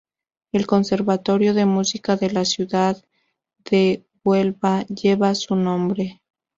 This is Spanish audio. El Conservatorio de Música de la ciudad de Huelva lleva su nombre.